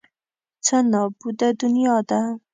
څه نابوده دنیا ده.